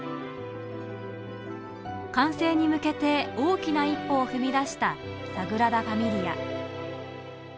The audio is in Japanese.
完成に向けて大きな一歩を踏み出したサグラダ・ファミリア。